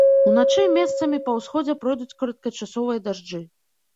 Уначы месцамі па ўсходзе пройдуць кароткачасовыя дажджы.